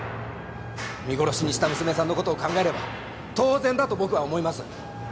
見殺しにした娘さんの事を考えれば当然だと僕は思います。